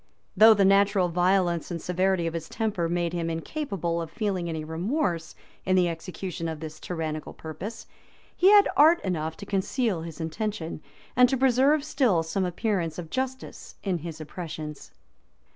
Though the natural violence and severity of his temper made him incapable of feeling any remorse in the execution of this tyrannical purpose, he had art enough to conceal his intention, and to preserve still some appearance of justice in his oppressions.